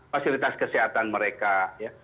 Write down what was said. fasilitas kesehatan mereka ya